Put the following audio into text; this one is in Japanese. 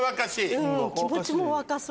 気持ちも若そう。